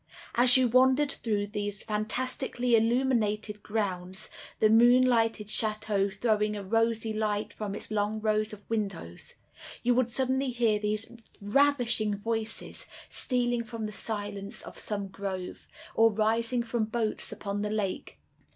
As you wandered through these fantastically illuminated grounds, the moon lighted chateau throwing a rosy light from its long rows of windows, you would suddenly hear these ravishing voices stealing from the silence of some grove, or rising from boats upon the lake.